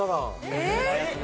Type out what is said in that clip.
えっ？